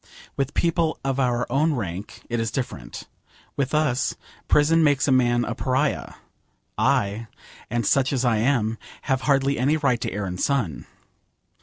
With people of our own rank it is different. With us, prison makes a man a pariah. I, and such as I am, have hardly any right to air and sun.